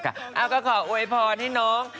ก็ขออวยพรให้น้อง